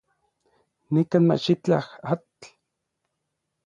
Nikan machitlaj atl.